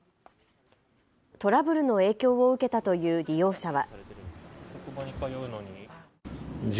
トラブルの影響を受けたという利用者は。